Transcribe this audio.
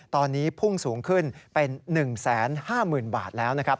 ตอนนี้พุ่งสูงขึ้นเป็น๑๕๐๐๐บาทแล้วนะครับ